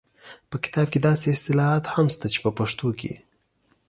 په کتاب کې داسې اصطلاحات هم شته چې په پښتو کې